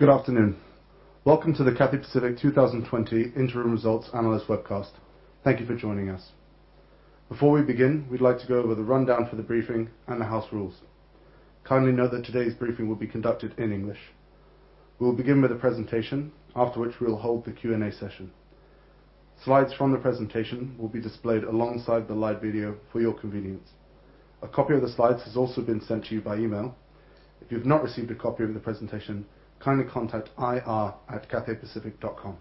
Good afternoon. Welcome to the Cathay Pacific 2020 Interim Results Analyst Webcast. Thank you for joining us. Before we begin, we'd like to go over the rundown for the briefing and the house rules. Kindly note that today's briefing will be conducted in English. We will begin with a presentation, after which we will hold the Q and A session. Slides from the presentation will be displayed alongside the live video for your convenience. A copy of the slides has also been sent to you by email. If you've not received a copy of the presentation, kindly contact ir@cathaypacific.com.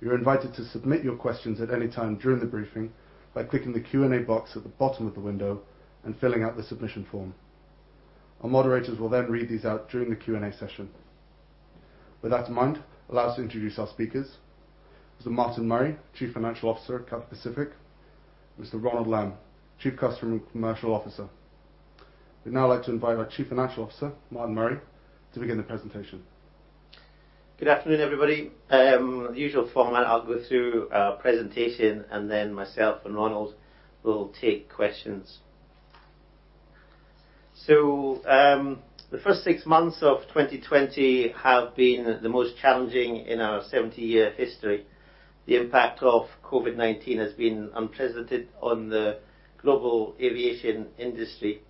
You're invited to submit your questions at any time during the briefing by clicking the Q and A box at the bottom of the window and filling out the submission form. Our moderators will then read these out during the Q and A session. With that in mind, allow us to introduce our speakers. Mr. Martin Murray, Chief Financial Officer at Cathay Pacific, Mr. Ronald Lam, Chief Customer and Commercial Officer. We'd now like to invite our Chief Financial Officer, Martin Murray, to begin the presentation. Good afternoon, everybody. Usual format, I will go through our presentation, and then myself and Ronald will take questions. The first six months of 2020 have been the most challenging in our 70-year history. The impact of COVID-19 has been unprecedented on the global aviation industry.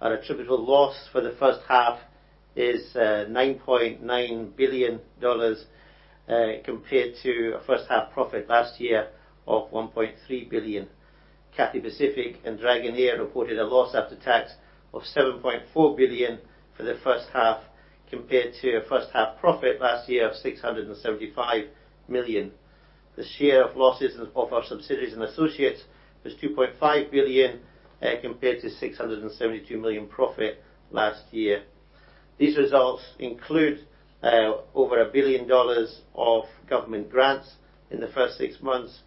Our attributable loss for the first half is 9.9 billion dollars, compared to a first-half profit last year of 1.3 billion. Cathay Pacific and Dragon Air reported a loss after tax of 7.4 billion for the first half, compared to a first-half profit last year of 675 million. The share of losses of our subsidiaries and associates was 2.5 billion, compared to 672 million profit last year. These results include over 1 billion dollars of government grants in the first six months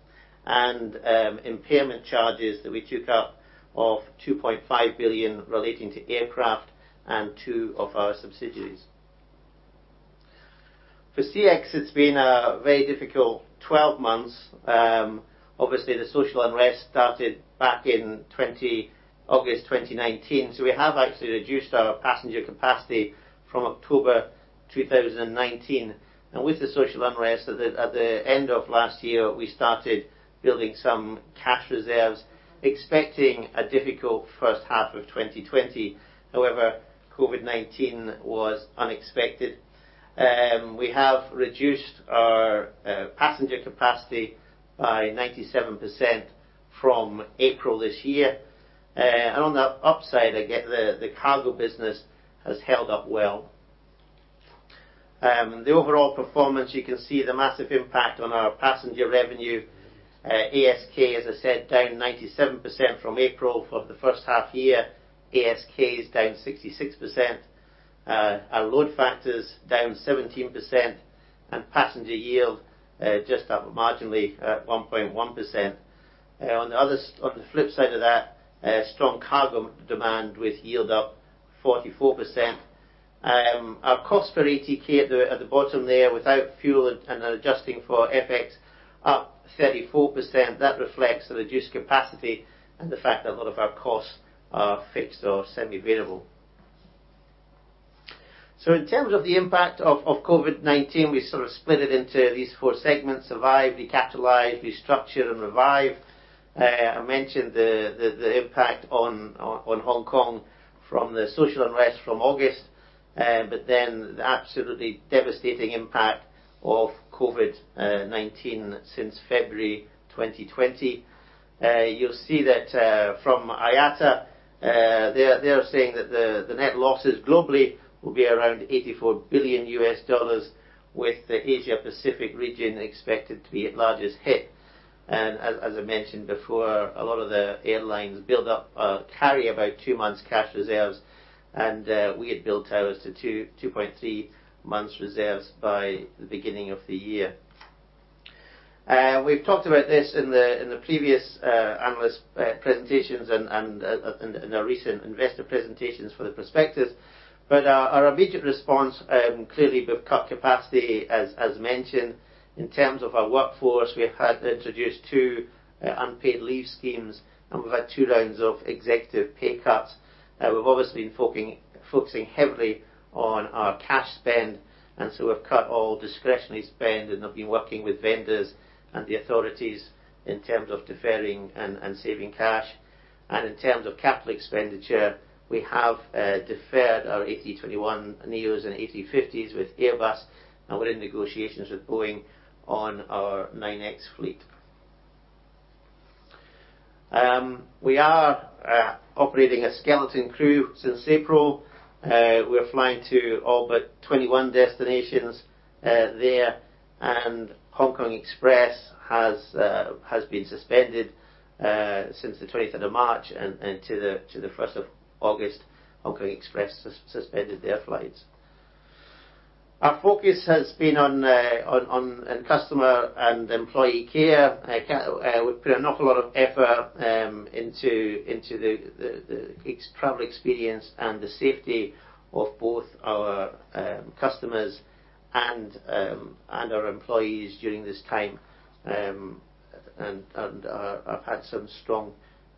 and impairment charges that we took up of 2.5 billion relating to aircraft and two of our subsidiaries. For CX, it's been a very difficult 12 months. Obviously, the social unrest started back in August 2019, we have actually reduced our passenger capacity from October 2019. With the social unrest at the end of last year, we started building some cash reserves, expecting a difficult first half of 2020. However, COVID-19 was unexpected. We have reduced our passenger capacity by 97% from April this year. On the upside, again, the cargo business has held up well. The overall performance, you can see the massive impact on our passenger revenue. ASK, as I said, down 97% from April. For the first half year, ASK is down 66%. Our load factor's down 17%, and passenger yield just up marginally at 1.1%. On the flip side of that, strong cargo demand with yield up 44%. Our cost per ATK at the bottom there, without fuel and adjusting for FX, up 34%. That reflects the reduced capacity and the fact that a lot of our costs are fixed or semi-variable. In s of the impact of COVID-19, we sort of split it into these four segments: survive, recapitalize, restructure, and revive. I mentioned the impact on Hong Kong from the social unrest from August, but then the absolutely devastating impact of COVID-19 since February 2020. You'll see that from IATA. They are saying that the net losses globally will be around $84 billion, with the Asia-Pacific region expected to be the largest hit. As I mentioned before, a lot of the airlines carry about two months' cash reserves, and we had built ours to 2.3 months reserves by the beginning of the year. We've talked about this in the previous analyst presentations and in our recent investor presentations for the prospectus, but our immediate response, clearly we've cut capacity as mentioned. In s of our workforce, we have had to introduce two unpaid leave schemes, and we've had two rounds of executive pay cuts. We've obviously been focusing heavily on our cash spend, and so we've cut all discretionary spend, and have been working with vendors and the authorities in s of deferring and saving cash. In s of capital expenditure, we have deferred our A321neos and A350s with Airbus, and we're in negotiations with Boeing on our 9X fleet. We are operating a skeleton crew since April. We're flying to all but 21 destinations there, and HK Express has been suspended since the 20th of March and to the 1st of August. HK Express suspended their flights. Our focus has been on customer and employee care. We put an awful lot of effort into the travel experience and the safety of both our customers and our employees during this time, and have had some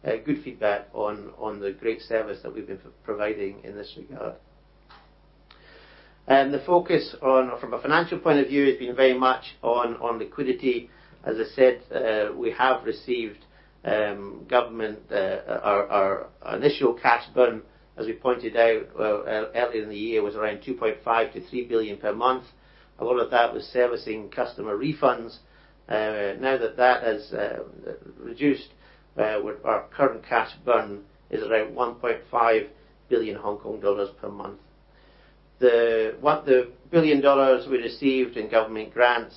good feedback on the great service that we've been providing in this regard. The focus from a financial point of view has been very much on liquidity. As I said, our initial cash burn, as we pointed out earlier in the year, was around 2.5 billion to three billion per month. A lot of that was servicing customer refunds. Now that that has reduced, our current cash burn is around 1.5 billion Hong Kong dollars per month. The one billion dollars we received in government grants,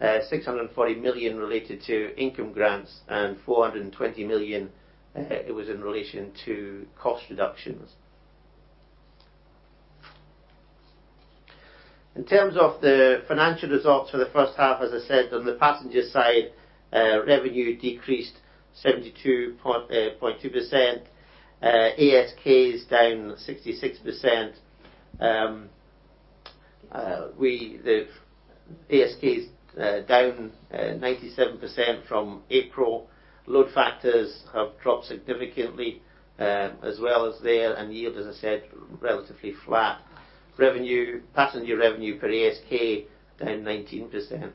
640 million related to income grants, and 420 million was in relation to cost reductions. In s of the financial results for the first half, as I said, on the passenger side, revenue decreased 72.2%. ASK is down 66%. The ASK is down 97% from April. Load factors have dropped significantly as well as there, and yield, as I said, relatively flat. Passenger revenue per ASK, down 19%, and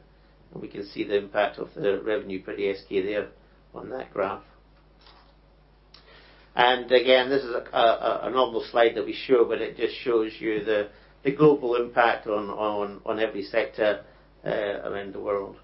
we can see the impact of the revenue per ASK there on that graph. Again, this is a normal slide that we show, but it just shows you the global impact on every sector around the world.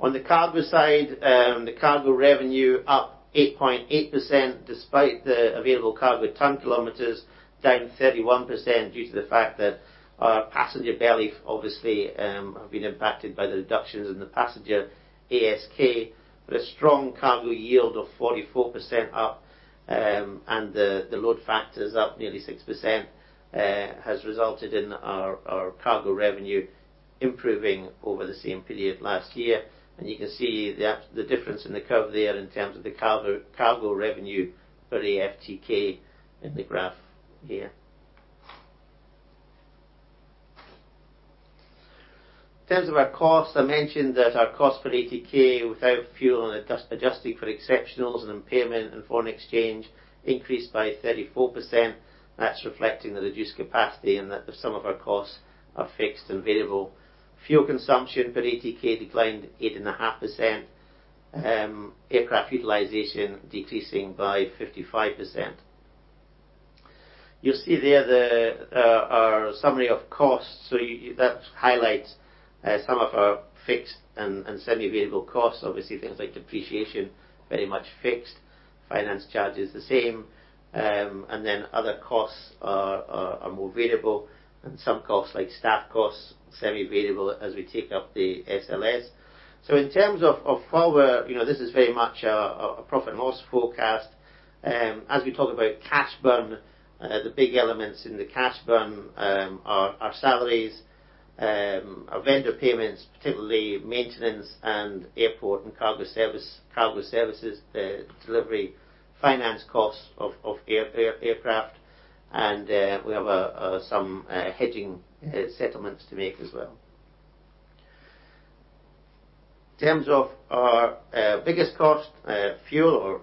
On the cargo side, the cargo revenue up 8.8%, despite the available cargo ton kilometers, down 31% due to the fact that our passenger belly obviously, have been impacted by the reductions in the passenger ASK. A strong cargo yield of 44% up, and the load factors up nearly 6%, has resulted in our cargo revenue improving over the same period last year. You can see the difference in the curve there in s of the cargo revenue for the FTK in the graph here. In s of our costs, I mentioned that our cost per ATK without fuel and adjusting for exceptionals and impairment and foreign exchange increased by 34%. That's reflecting the reduced capacity and that some of our costs are fixed and variable. Fuel consumption per ATK declined 8.5%. Aircraft utilization decreasing by 55%. You'll see there our summary of costs. That highlights some of our fixed and semi-variable costs. Obviously, things like depreciation, very much fixed. Finance charge is the same. Other costs are more variable, and some costs, like staff costs, semi-variable as we take up the SLS. In s of forward, this is very much a profit loss forecast. As we talk about cash burn, the big elements in the cash burn are our salaries, our vendor payments, particularly maintenance and airport and cargo services, delivery, finance costs of aircraft, and we have some hedging settlements to make as well. In s of our biggest cost, fuel.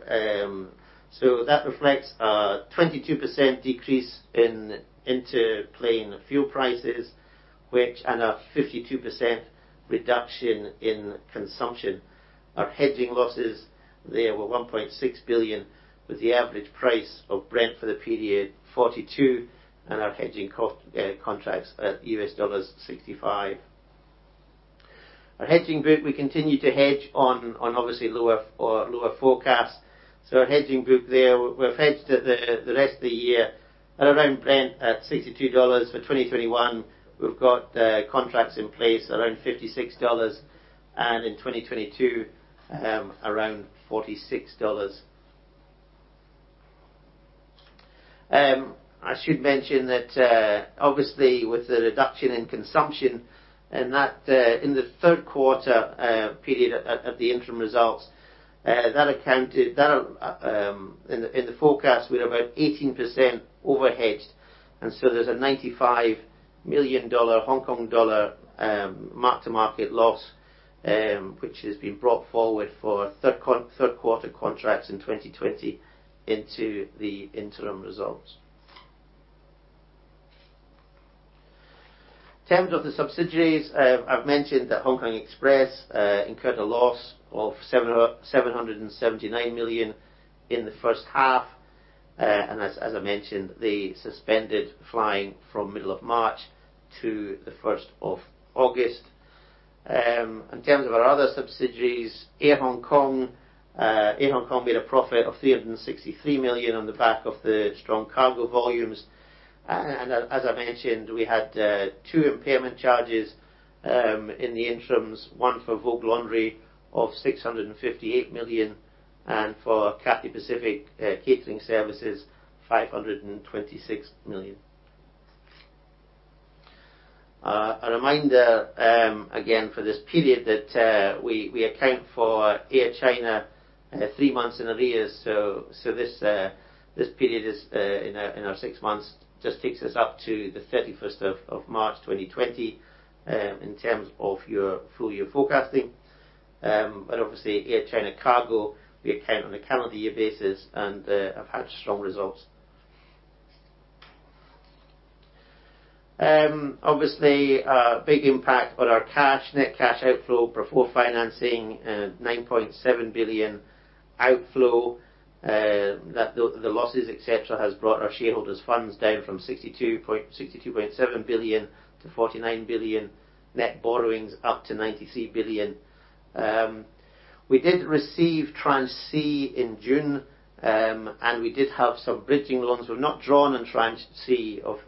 That reflects a 22% decrease in interplane fuel prices, and a 52% reduction in consumption. Our hedging losses there were 1.6 billion, with the average price of Brent Crude for the period $42, and our hedging contracts at $65. Our hedging group, we continue to hedge on obviously lower forecasts. Our hedging group there, we've hedged the rest of the year at around Brent at $62 for 2021. We've got contracts in place around $56, and in 2022, around $46. I should mention that, obviously, with the reduction in consumption, and that in the third quarter period of the interim results, in the forecast, we're about 18% overhead. There's a HKD 95 million mark-to-market loss, which has been brought forward for third quarter contracts in 2020 into the interim results. In s of the subsidiaries, I've mentioned that Hong Kong Express incurred a loss of 779 million in the first half. As I mentioned, they suspended flying from middle of March to the 1st of August. In s of our other subsidiaries, Air Hong Kong made a profit of 363 million on the back of the strong cargo volumes. As I mentioned, we had two impairment charges in the interims, one for Vogue Laundry of 658 million and for Cathay Pacific Catering Services, 526 million. A reminder, again, for this period that we account for Air China three months in arrears. This period in our six months just takes us up to the 31st of March 2020, in s of your full- year forecasting. Obviously Air China Cargo, we account on a calendar year basis and have had strong results. Obviously, a big impact on our cash, net cash outflow before financing 9.7 billion outflow. The losses, et cetera, have brought our shareholders' funds down from 62.7 billion to 49 billion, net borrowings up to 93 billion. We did receive Tranche C in June, and we did have some bridging loans. We've not drawn on Tranche C of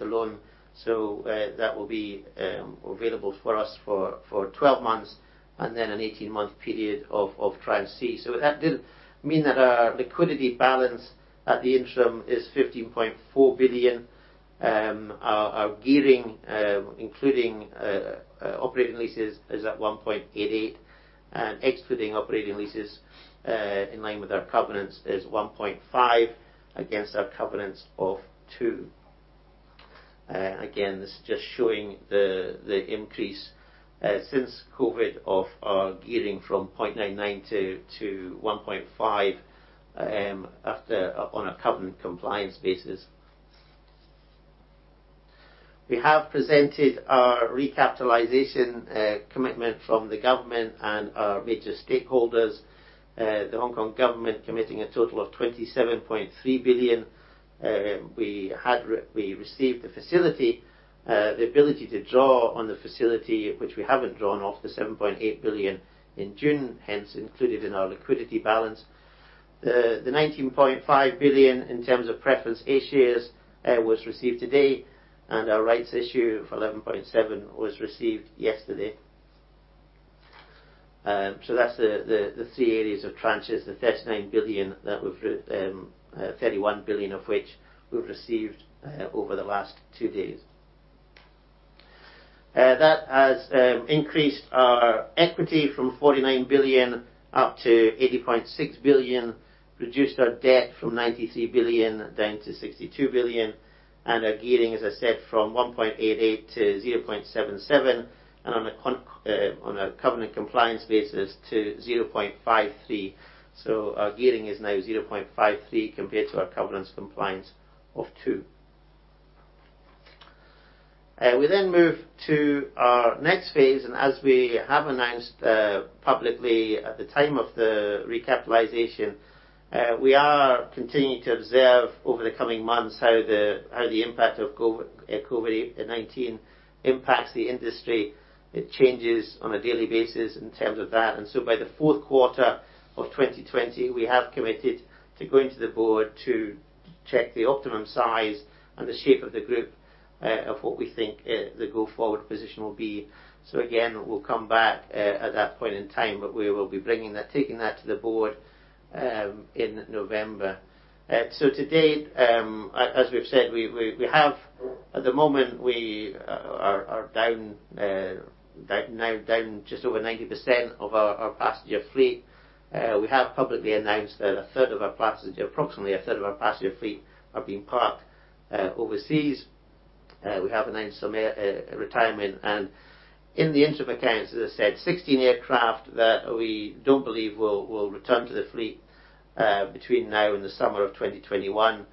the loan. That will be available for us for 12 months, and then an 18-month period of Tranche C. That did mean that our liquidity balance at the interim is 15.4 billion. Our gearing, including operating leases, is at 1.88, and excluding operating leases, in line with our covenants, is 1.5 against our covenants of two. Again, this is just showing the increase since COVID-19 of our gearing from 0.99 to 1.5 on a covenant compliance basis. We have presented our recapitalization commitment from the government and our major stakeholders, the Hong Kong government committing a total of 27.3 billion. We received the facility, the ability to draw on the facility, which we haven't drawn off the 7.8 billion in June, hence included in our liquidity balance. The 19.5 billion in s of Preference A shares, was received today, and our rights issue of 11.7 billion was received yesterday. That's the three areas of tranches, the 31 billion of which we've received over the last two days. That has increased our equity from 49 billion up to 80.6 billion, reduced our debt from 93 billion down to 62 billion, and our gearing, as I said, from 1.88 to 0.77, and on a covenant compliance basis to 0.53. Our gearing is now 0.53 compared to our covenants compliance of two. As we have announced publicly at the time of the recapitalization, we are continuing to observe over the coming months how the impact of COVID-19 impacts the industry. It changes on a daily basis in s of that. By the fourth quarter of 2020, we have committed to going to the board to check the optimum size and the shape of the group of what we think the go forward position will be. Again, we'll come back at that point in time, but we will be taking that to the board in November. To date, as we've said, at the moment, we are now down just over 90% of our passenger fleet. We have publicly announced that approximately a third of our passenger fleet are being parked overseas. We have announced some retirement and in the interim accounts, as I said, 16 aircraft that we don't believe will return to the fleet, between now and the summer of 2021.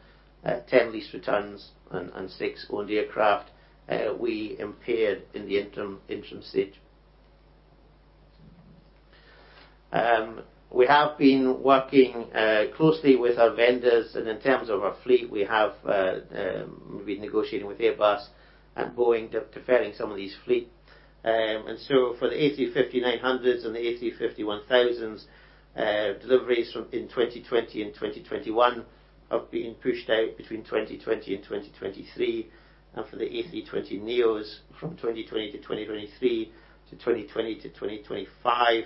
10 lease returns and six owned aircraft we impaired in the interim stage. We have been working closely with our vendors, in s of our fleet, we have been negotiating with Airbus and Boeing, deferring some of these fleet. For the A350-900 and the A350-1000 deliveries in 2020 and 2021 have been pushed out between 2020 and 2023, for the A321neos from 2020 to 2023 to 2020 to 2025.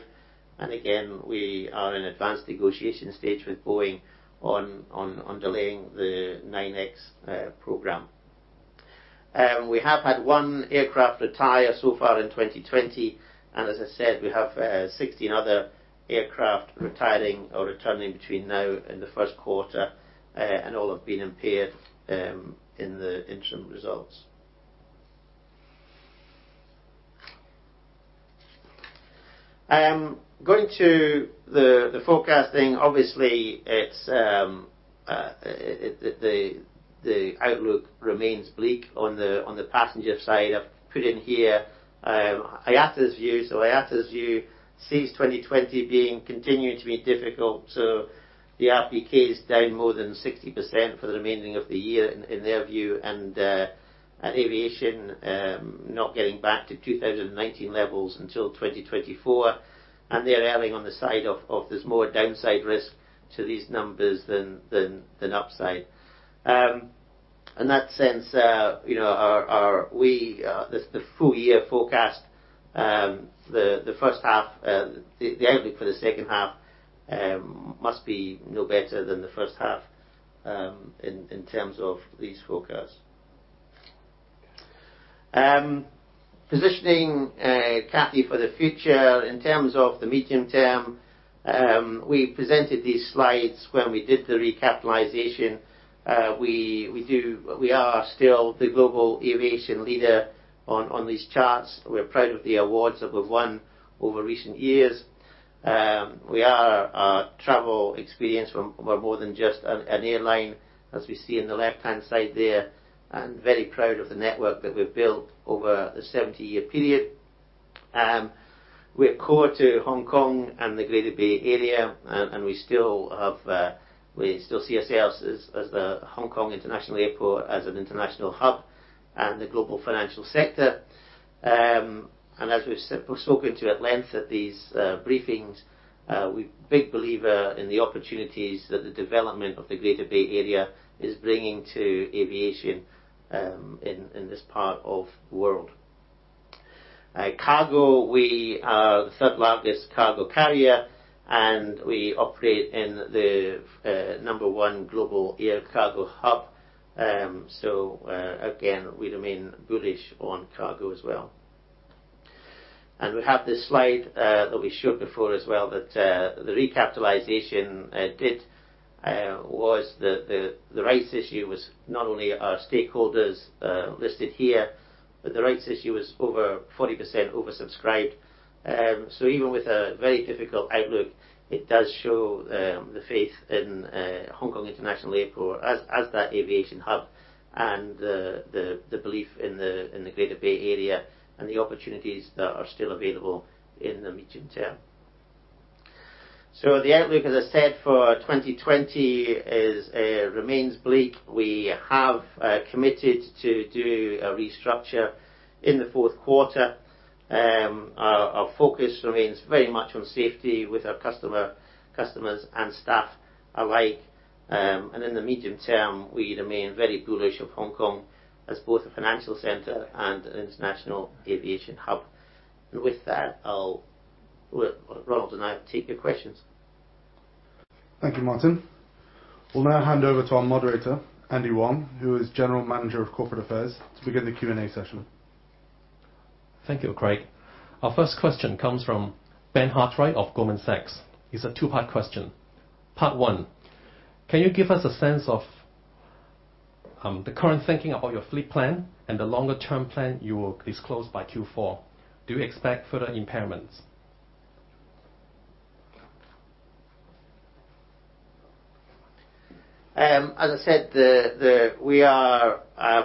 Again, we are in advanced negotiation stage with Boeing on delaying the 9X program. We have had one aircraft retire so far in 2020, as I said, we have 16 other aircraft retiring or returning between now and the first quarter, all have been impaired in the interim results. Going to the forecasting, obviously, the outlook remains bleak on the passenger side. I've put in here IATA's view. IATA's view sees 2020 continuing to be difficult. The RPK is down more than 60% for the remaining of the year in their view. Aviation, not getting back to 2019 levels until 2024, and they're erring on the side of there's more downside risk to these numbers than upside. In that sense, the full- year forecast, the outlook for the second half, must be no better than the first half, in s of these forecasts. Positioning Cathay for the future in s of the medium. We presented these slides when we did the recapitalization. We are still the global aviation leader on these charts. We're proud of the awards that we've won over recent years. We are a travel experience, we're more than just an airline, as we see on the left-hand side there, and very proud of the network that we've built over the 70-year period. We are core to Hong Kong and the Greater Bay Area, we still see ourselves as the Hong Kong International Airport as an international hub and the global financial sector. As we've spoken to at length at these briefings, we're big believer in the opportunities that the development of the Greater Bay Area is bringing to aviation in this part of world. Cargo, we are the third largest cargo carrier, we operate in the number one global air cargo hub. Again, we remain bullish on cargo as well. We have this slide, that we showed before as well, that the recapitalization did was the rights issue was not only our stakeholders listed here, but the rights issue was over 40% oversubscribed. Even with a very difficult outlook, it does show the faith in Hong Kong International Airport as that aviation hub and the belief in the Greater Bay Area and the opportunities that are still available in the medium. The outlook, as I said, for 2020 remains bleak. We have committed to do a restructure in the fourth quarter. Our focus remains very much on safety with our customers and staff alike. In the medium, we remain very bullish of Hong Kong as both a financial center and an international aviation hub. With that, Ronald and I will take your questions. Thank you, Martin. We'll now hand over to our moderator, Andy Wong, who is General Manager, Corporate Affairs, to begin the Q&A session. Thank you, Craig. Our first question comes from Ben Hartwright of Goldman Sachs. It's a two-part question. Part one, can you give us a sense of the current thinking about your fleet plan and the longer- plan you will disclose by Q4? Do you expect further impairments? As I said, we are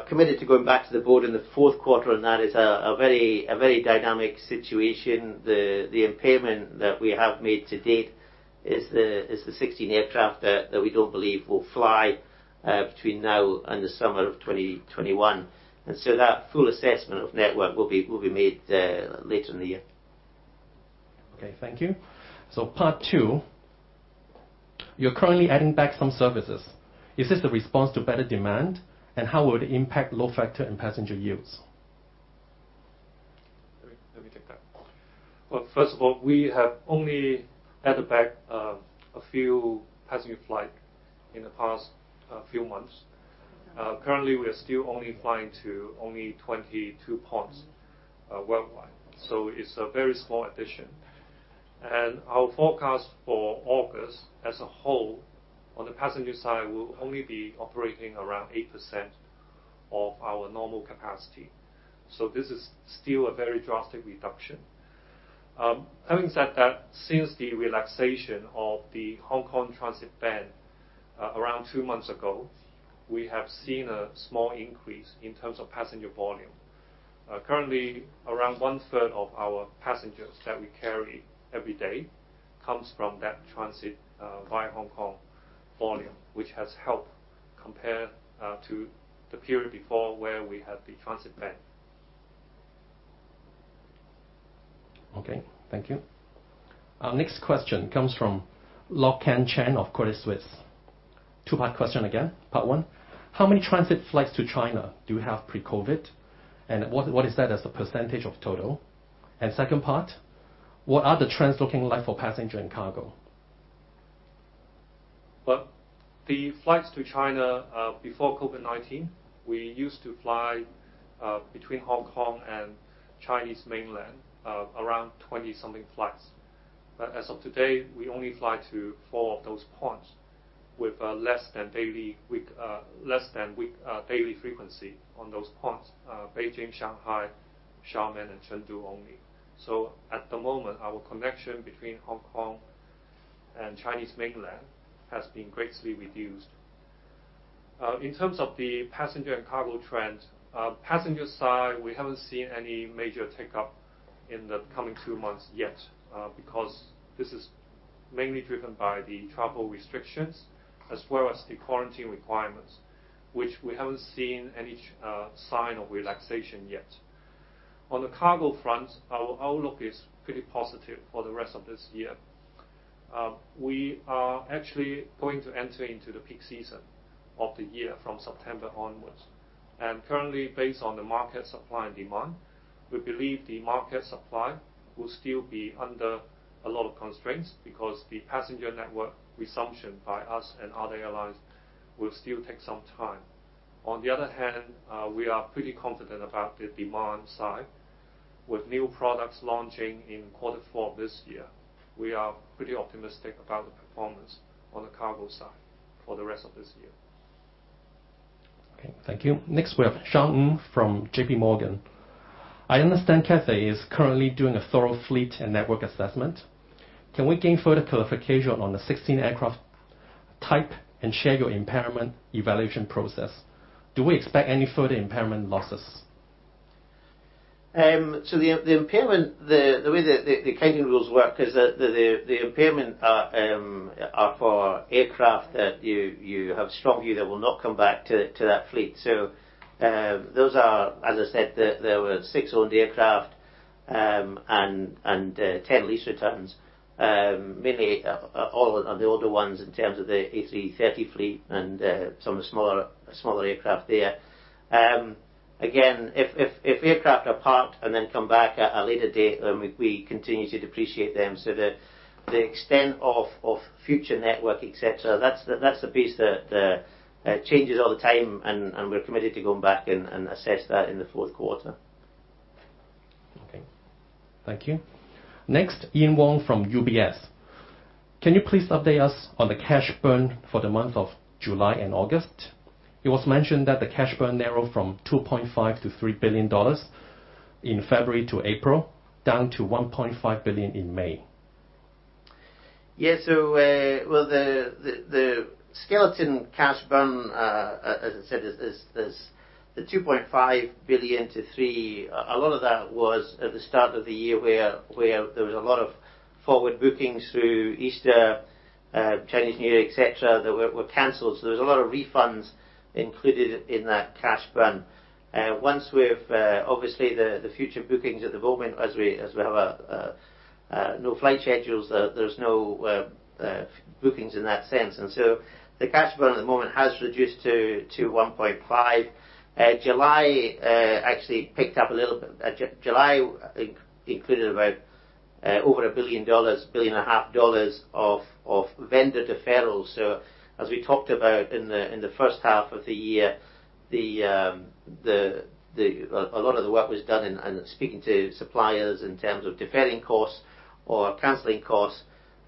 committed to going back to the board in the fourth quarter, and that is a very dynamic situation. The impairment that we have made to date is the 16 aircraft that we don't believe will fly between now and the summer of 2021. That full assessment of network will be made later in the year. Okay. Thank you. Part two, you're currently adding back some services. Is this the response to better demand, and how would it impact load factor and passenger yields? Let me take that. Well, first of all, we have only added back a few passenger flights in the past few months. Currently, we are still only flying to only 22 ports worldwide, so it's a very small addition. Our forecast for August as a whole on the passenger side will only be operating around 8% of our normal capacity. This is still a very drastic reduction. Having said that, since the relaxation of the Hong Kong transit ban around two months ago, we have seen a small increase in s of passenger volume. Currently, around one-third of our passengers that we carry every day comes from that transit, via Hong Kong volume, which has helped compare to the period before where we had the transit ban. Okay, thank you. Our next question comes from Lok Kan Chan of Credit Suisse. Two-part question again. Part one, how many transit flights to China do you have pre-COVID, and what is that as a percentage of total? Second part, what are the trends looking like for passenger and cargo? The flights to China, before COVID-19, we used to fly between Hong Kong and Chinese mainland, around 20 something flights. As of today, we only fly to four of those points with less than daily frequency on those points, Beijing, Shanghai, Xiamen, and Chengdu only. At the moment, our connection between Hong Kong and Chinese mainland has been greatly reduced. In s of the passenger and cargo trend, passenger side, we haven't seen any major tick up in the coming two months yet. This is mainly driven by the travel restrictions as well as the quarantine requirements, which we haven't seen any sign of relaxation yet. The cargo front, our outlook is pretty positive for the rest of this year. We are actually going to enter into the peak season of the year from September onwards. Currently, based on the market supply and demand, we believe the market supply will still be under a lot of constraints because the passenger network resumption by us and other airlines will still take some time. On the other hand, we are pretty confident about the demand side. With new products launching in quarter four of this year, we are pretty optimistic about the performance on the cargo side for the rest of this year. Okay, thank you. We have Sean Ng from JPMorgan. I understand Cathay is currently doing a thorough fleet and network assessment. Can we gain further clarification on the 16 aircraft type and share your impairment evaluation process? Do we expect any further impairment losses? The way the accounting rules work is that the impairment are for aircraft that you have strong view that will not come back to that fleet. Those are, as I said, there were six owned aircraft and 10 lease returns, mainly all of the older ones in s of the A330 fleet and some smaller aircraft there. Again, if aircraft are parked and then come back at a later date, we continue to depreciate them. The extent of future network, et cetera, that's the piece that changes all the time, and we're committed to going back and assess that in the fourth quarter. Okay. Thank you. Next, Ian Wong from UBS. Can you please update us on the cash burn for the month of July and August? It was mentioned that the cash burn narrowed from 2.5 billion-3 billion dollars in February to April, down to 1.5 billion in May. The skeleton cash burn, as I said, the 2.5 billion-three billion, a lot of that was at the start of the year where there was a lot of forward bookings through Easter, Chinese New Year, et cetera, that were canceled. There was a lot of refunds included in that cash burn. Obviously, the future bookings at the moment, as we have no flight schedules, there's no bookings in that sense. The cash burn at the moment has reduced to 1.5 billion. July actually picked up a little bit. July included over one billion dollars, 1.5 billion of vendor deferrals. As we talked about in the first half of the year, a lot of the work was done in speaking to suppliers in s of deferring costs or canceling costs.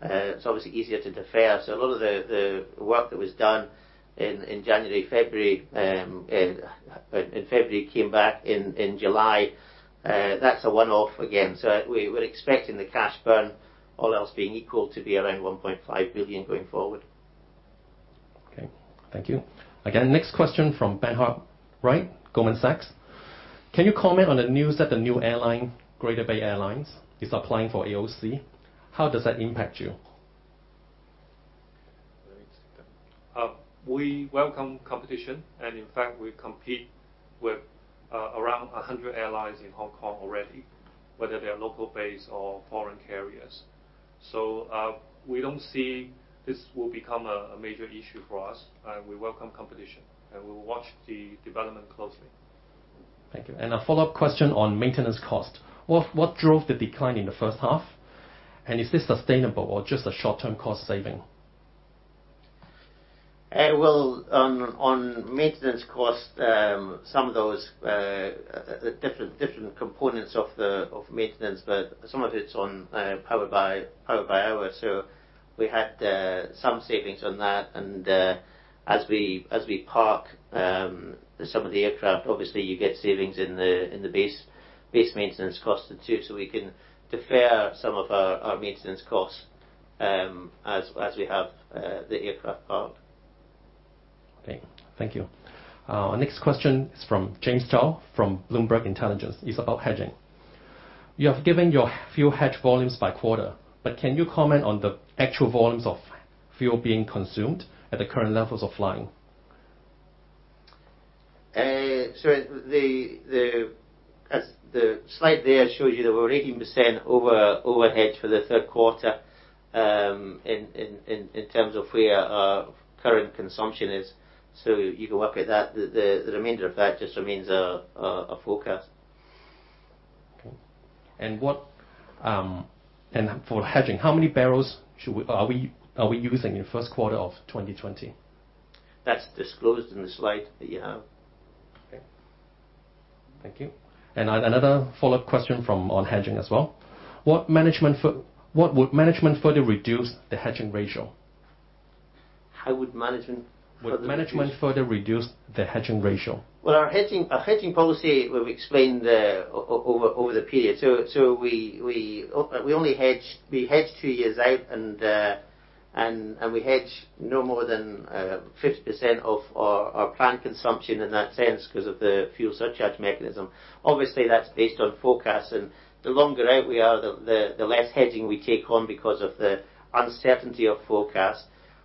It's obviously easier to defer. A lot of the work that was done in January, February came back in July. That's a one-off again. We're expecting the cash burn, all else being equal, to be around 1.5 billion going forward. Okay. Thank you. Again, next question from Ben Hartwright, Goldman Sachs. Can you comment on the news that the new airline, Greater Bay Airlines, is applying for AOC? How does that impact you? We welcome competition, in fact, we compete with around 100 airlines in Hong Kong already, whether they are local base or foreign carriers. We don't see this will become a major issue for us. We welcome competition, we'll watch the development closely. Thank you. A follow-up question on maintenance cost. What drove the decline in the first half? Is this sustainable or just a short- cost saving? On maintenance cost, some of those different components of maintenance, but some of it's on Power by Hour. We had some savings on that. As we park some of the aircraft, obviously, you get savings in the base maintenance costs too, so we can defer some of our maintenance costs as we have the aircraft parked. Okay. Thank you. Our next question is from James Zhao from Bloomberg Intelligence. It's about hedging. You have given your fuel hedge volumes by quarter, but can you comment on the actual volumes of fuel being consumed at the current levels of flying? The slide there shows you that we're 18% over hedge for the third quarter in s of where our current consumption is. You can work at that. The remainder of that just remains a forecast. Okay. For hedging, how many barrels are we using in first quarter of 2020? That's disclosed in the slide that you have. Okay. Thank you. Another follow-up question on hedging as well. What would management further reduce the hedging ratio? How would management further reduce- Would management further reduce the hedging ratio? Well, our hedging policy, we've explained over the period. We hedge two years out, and we hedge no more than 50% of our planned consumption in that sense because of the fuel surcharge mechanism. Obviously, that's based on forecast. The longer out we are, the less hedging we take on because of the uncertainty of forecast.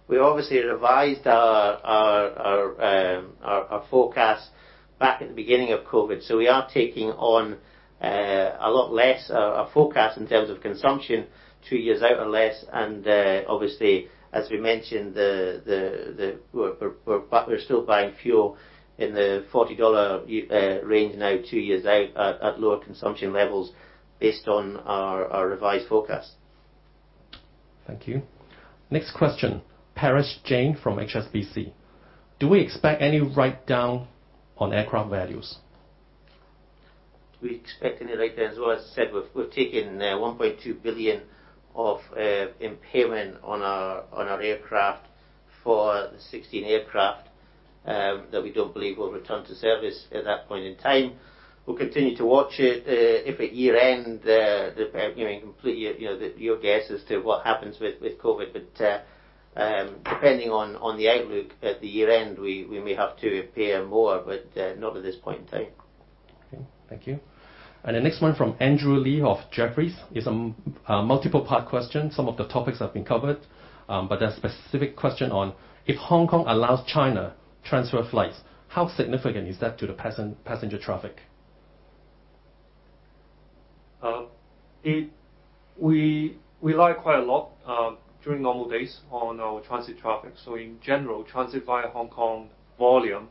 We obviously revised our forecast back at the beginning of COVID-19. We are taking on a lot less our forecast in s of consumption two years out or less. Obviously, as we mentioned, we're still buying fuel in the $40 range now two years out at lower consumption levels based on our revised forecast. Thank you. Next question, Parash Jain from HSBC. Do we expect any write down on aircraft values? Do we expect any write down? As I said, we've taken 1.2 billion of impairment on our aircraft for the 16 aircraft that we don't believe will return to service at that point in time. We'll continue to watch it. If at year end, your guess as to what happens with COVID, but, depending on the outlook at the year end, we may have to impair more, but not at this point in time. Okay, thank you. The next one from Andrew Lee of Jefferies. It's a multiple part question. Some of the topics have been covered, but a specific question on, if Hong Kong allows China transfer flights, how significant is that to the passenger traffic? We rely quite a lot, during normal days, on our transit traffic. In general, transit via Hong Kong volume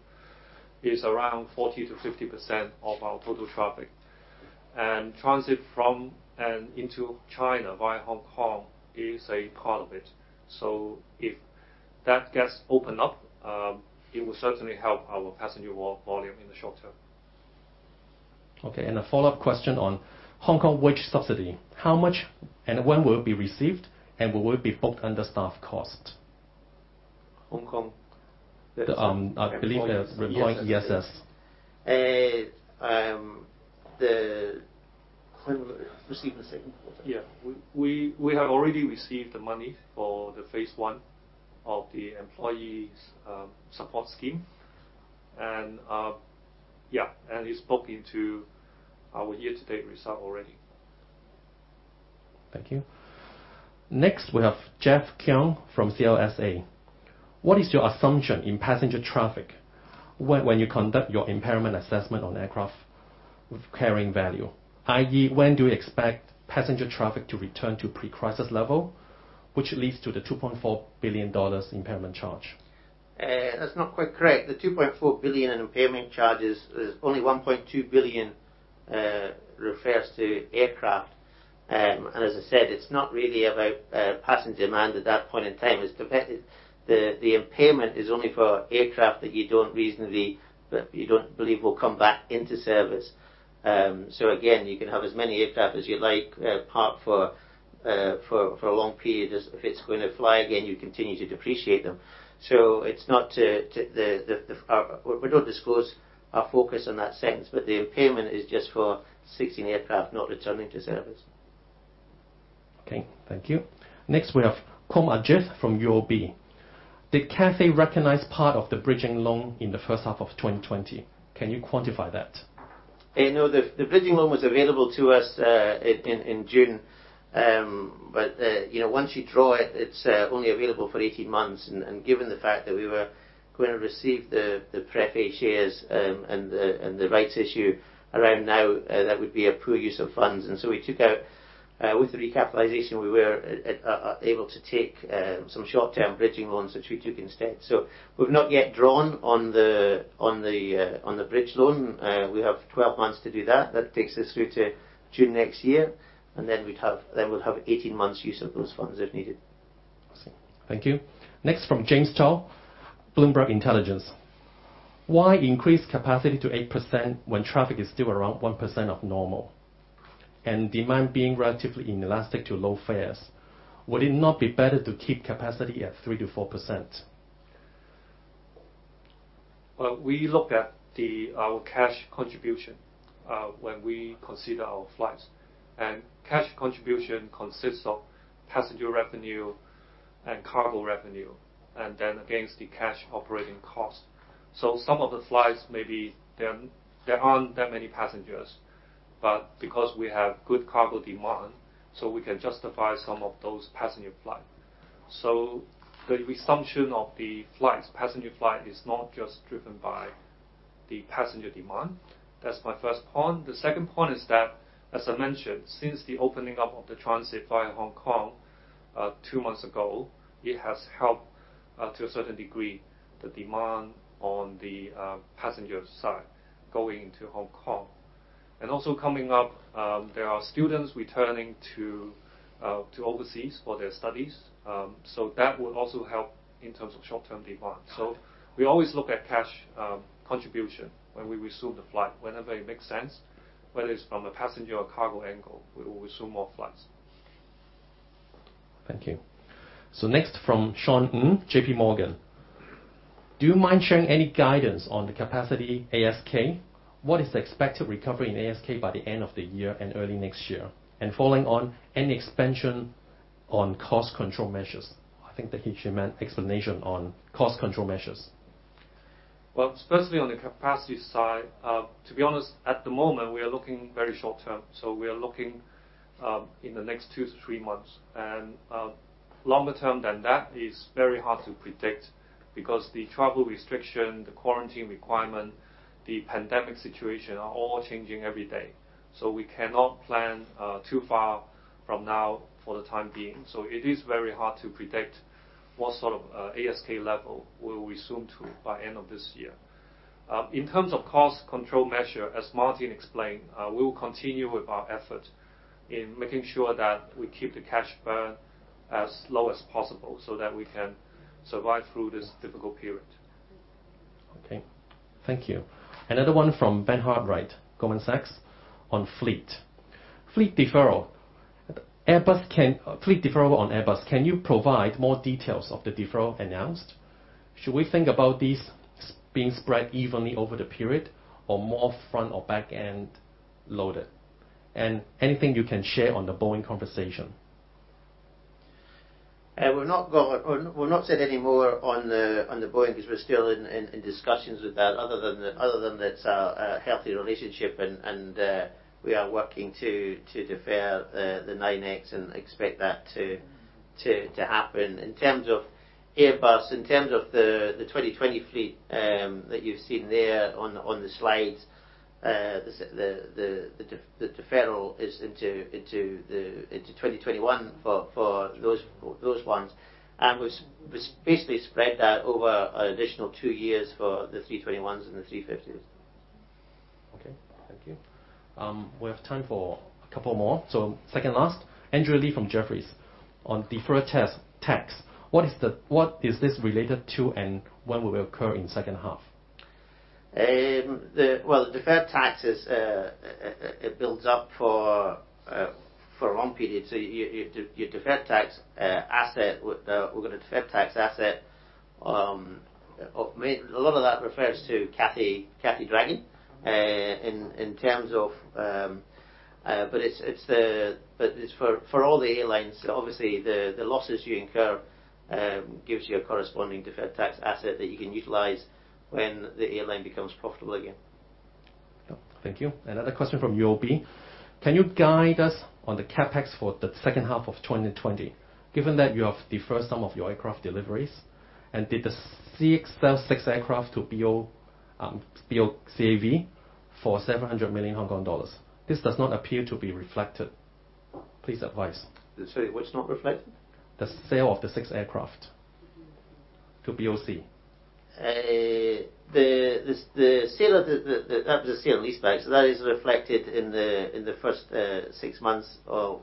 is around 40%-50% of our total traffic. Transit from and into China via Hong Kong is a part of it. If that gets opened up, it will certainly help our passenger volume in the short. Okay, a follow-up question on Hong Kong wage subsidy. How much and when will it be received? Will it be booked under staff cost? Hong Kong? I believe they're employing ESS. The Received the second quarter. We have already received the money for the Phase I of the Employee Support Scheme. It's booked into our year to date result already. Thank you. Next, we have Jeff Keung from CLSA. What is your assumption in passenger traffic when you conduct your impairment assessment on aircraft carrying value, i.e., when do you expect passenger traffic to return to pre-crisis level, which leads to the 2.4 billion dollars impairment charge? That's not quite correct. The 2.4 billion in impairment charges, there's only 1.2 billion refers to aircraft. As I said, it's not really about passenger demand at that point in time. The impairment is only for aircraft that you don't believe will come back into service. Again, you can have as many aircraft as you like parked for a long period. If it's going to fly again, you continue to depreciate them. We don't disclose our focus in that sense, but the impairment is just for 16 aircraft not returning to service. Okay. Thank you. Next, we have K Ajith from UOB. Did Cathay recognize part of the bridging loan in the first half of 2020? Can you quantify that? No. The bridging loan was available to us in June. Once you draw it's only available for 18 months, and given the fact that we were going to receive the Pref A shares and the rights issue around now, that would be a poor use of funds. With the recapitalization, we were able to take some short- bridging loans, which we took instead. We've not yet drawn on the bridge loan. We have 12 months to do that. That takes us through to June next year, and then we'll have 18 months use of those funds if needed. Awesome. Thank you. Next from James Tong, Bloomberg Intelligence. Why increase capacity to 8% when traffic is still around 1% of normal? Demand being relatively inelastic to low fares, would it not be better to keep capacity at 3%-4%? Well, we looked at our cash contribution when we consider our flights. Cash contribution consists of passenger revenue and cargo revenue, and then against the cash operating cost. Some of the flights, maybe there aren't that many passengers, but because we have good cargo demand, so we can justify some of those passenger flight. The resumption of the passenger flight is not just driven by the passenger demand. That's my first point. The second point is that, as I mentioned, since the opening up of the transit via Hong Kong two months ago, it has helped, to a certain degree, the demand on the passenger side going to Hong Kong. Also coming up, there are students returning to overseas for their studies. That would also help in s of short- demand. We always look at cash contribution when we resume the flight. Whenever it makes sense, whether it's from a passenger or cargo angle, we will resume more flights. Thank you. Next from Sean Ng, JPMorgan. Do you mind sharing any guidance on the capacity ASK? What is the expected recovery in ASK by the end of the year and early next year? Following on, any expansion on cost control measures? Well, especially on the capacity side, to be honest, at the moment, we are looking very short. We are looking in the next two to three months, and longer than that is very hard to predict because the travel restriction, the quarantine requirement, the pandemic situation are all changing every day. We cannot plan too far from now for the time being. It is very hard to predict what sort of ASK level we will resume to by end of this year. In s of cost control measure, as Martin explained, we will continue with our effort in making sure that we keep the cash burn as low as possible so that we can survive through this difficult period. Okay. Thank you. Another one from Ben Hartwright, Goldman Sachs, on fleet. Fleet deferral on Airbus, can you provide more details of the deferral announced? Should we think about these being spread evenly over the period or more front or back-end loaded? Anything you can share on the Boeing conversation? We'll not say any more on the Boeing because we're still in discussions with that other than that it's a healthy relationship, we are working to defer the 777-9 and expect that to happen. In s of Airbus, in s of the 2020 fleet that you've seen there on the slides, the deferral is into 2021 for those ones. We've basically spread that over an additional two years for the 321s and the 350s. Okay. Thank you. We have time for a couple more. Second-last, Andrew Lee from Jefferies, on deferred tax. What is this related to, and when will it occur in second half? Well, the deferred taxes, it builds up for a long period. You've got a deferred tax asset. A lot of that refers to Cathay Dragon. It's for all the airlines, obviously, the losses you incur gives you a corresponding deferred tax asset that you can utilize when the airline becomes profitable again. Oh, thank you. Another question from UOB. Can you guide us on the CapEx for the second half of 2020, given that you have deferred some of your aircraft deliveries? Did the CX sell six aircraft to BOC Aviation for 700 million Hong Kong dollars? This does not appear to be reflected. Please advise. Sorry, what's not reflected? The sale of the six aircraft to BOC. That was a sale and leaseback, so that is reflected in the first six months of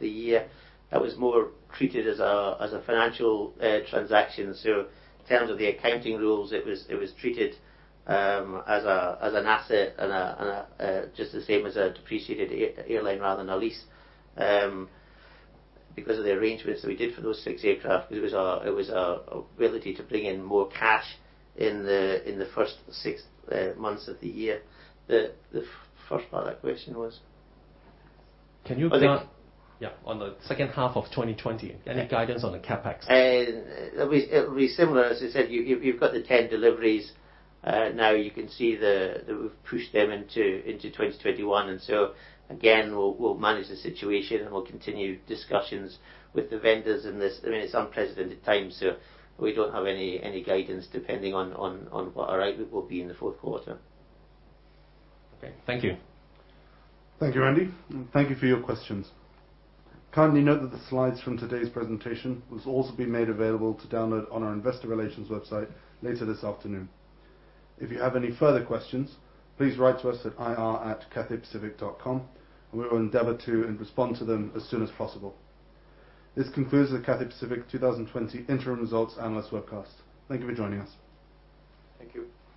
the year. That was more treated as a financial transaction. In s of the accounting rules, it was treated as an asset and just the same as a depreciated airline rather than a lease. Because of the arrangements that we did for those six aircraft, it was our ability to bring in more cash in the first six months of the year. The first part of that question was? On the second half of 2020, any guidance on the CapEx? It'll be similar. As I said, you've got the 10 deliveries. Now you can see that we've pushed them into 2021. Again, we'll manage the situation, and we'll continue discussions with the vendors. It's unprecedented times, so we don't have any guidance depending on what our output will be in the fourth quarter. Okay. Thank you. Thank you, Andy. Thank you for your questions. Kindly note that the slides from today's presentation will also be made available to download on our investor relations website later this afternoon. If you have any further questions, please write to us at ir@cathaypacific.com, and we will endeavor to respond to them as soon as possible. This concludes the Cathay Pacific 2020 Interim Results Analyst Webcast. Thank you for joining us. Thank you.